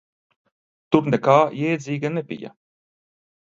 Tur nekā jēdzīga nebija.